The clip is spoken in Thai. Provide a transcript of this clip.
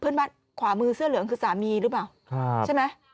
เพื่อนบ้านขวามือเสื้อเหลืองคือสามีหรือเปล่าใช่ไหม